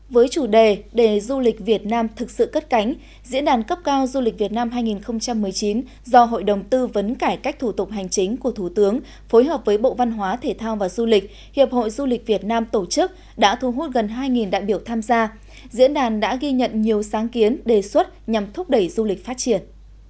với chủ đề để du lịch việt nam thực sự cất cánh diễn đàn cấp cao du lịch việt nam hai nghìn một mươi chín do hội đồng tư vấn cải cách thủ tục hành chính của thủ tướng phối hợp với bộ văn hóa thể thao và du lịch hiệp hội du lịch việt nam tổ chức đã thu hút gần hai đại biểu tham gia diễn đàn đã ghi nhận nhiều sáng kiến đề xuất nhằm thúc đẩy du lịch phát triển